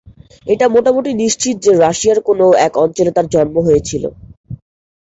এটা মোটামুটি নিশ্চিত যে রাশিয়ার কোন এক অঞ্চলে তার জন্ম হয়েছিল।